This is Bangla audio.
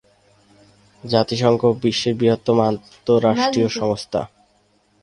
জাতিসংঘ বিশ্বের বৃহত্তম আন্তঃরাষ্ট্রীয় সংস্থা।